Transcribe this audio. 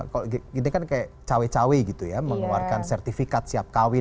kalau ini kan kayak cawe cawe gitu ya mengeluarkan sertifikat siap kawin